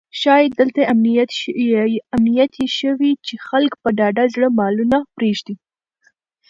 ښایي دلته امنیت یې ښه وي چې خلک په ډاډه زړه مالونه پرېږدي.